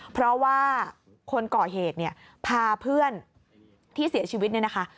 เพราะว่าคนก่อเหตุเนี่ยพาเพื่อนที่เสียชีวิตเนี่ยนะคะ